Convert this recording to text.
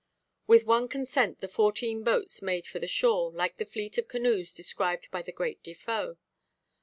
With one consent the fourteen boats made for the shore, like the fleet of canoes described by the great Defoe.